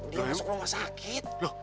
dia masuk rumah sakit